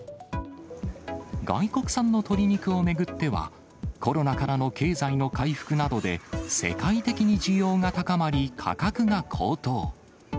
外国産の鶏肉を巡っては、コロナからの経済の回復などで、世界的に需要が高まり、価格が高騰。